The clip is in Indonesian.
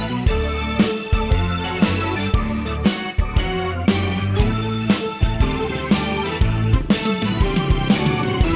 ya sudah pak